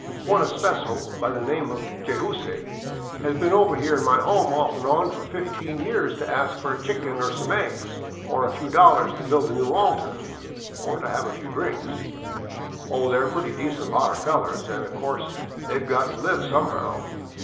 One especial, by the name of Jay zoose, has been over here in my house off an' on for fifteen years to ask for a chicken or some eggs, or a few dollars to build a new altar, or to have a few drinks — Oh, they 're a pretty decent lot o' fellers, an' of course they 've got to live somehow.